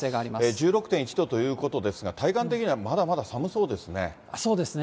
１６．１度ということですが、体感的にはまだまだ寒そうですね。